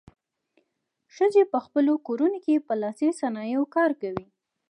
ښځې په خپلو کورونو کې په لاسي صنایعو کار کوي.